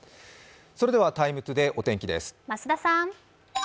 それでは「ＴＩＭＥ，ＴＯＤＡＹ」お天気です。